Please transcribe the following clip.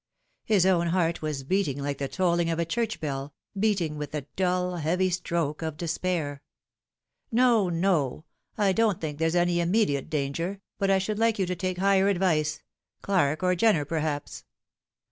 His own heart was beating like the tolling of a church bell beating with the dull, heavy stroke of despair. " No, no. I don't think there's any immediate danger, but I should like you to take higher advice Clark or Jenner, perhaps."